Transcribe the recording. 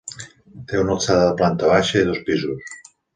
Té una alçada de planta baixa i dos pisos.